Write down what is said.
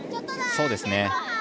そうですね。